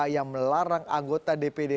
yang melarang anggota dpd